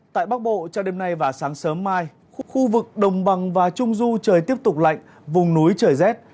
tại bắc bộ trong đêm nay và sáng sớm mai khu vực đồng bằng và trung du trời tiếp tục lạnh vùng núi trời rét